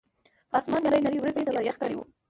پۀ اسمان نرۍ نرۍ وريځې نمر يخ کړے وو